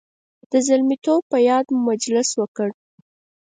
د زلمیتوب په یاد مو مجلس وکړ.